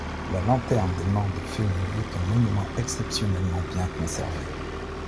La lanterne des morts de Fenioux est un monument exceptionnellement bien conservé.